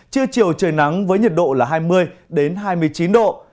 trưa chiều trời nắng với nhiệt độ là hai mươi hai mươi chín độ